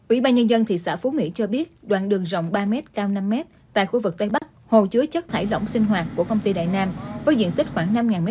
ủy ban nhân dân thị xã phú mỹ cho biết đoạn đường rộng ba m cao năm m tại khu vực tây bắc hồ chứa chất thải rỗng sinh hoạt của công ty đại nam với diện tích khoảng năm m hai